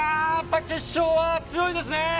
決勝は強いですね。